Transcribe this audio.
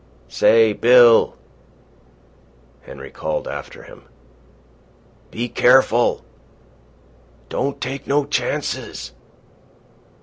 "Say, Bill!" Henry called after him. "Be careful! Don't take no chances!"